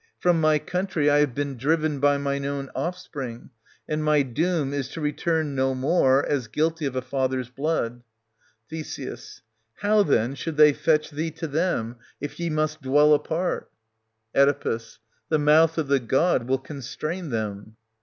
From my country I have been driven by mine own offspring; and, my doom is to 600 return no more, as guilty of a father's blood. Th. How, then, should they fetch thee to them, if ye must dwell apart .'* Oe. The mouth of the god will constrain them.